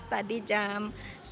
tadi jam sembilan